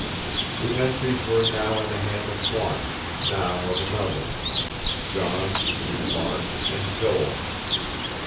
The entries were now in the hand of one, now of another; John and Mark and Joel....